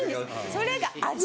それが味変。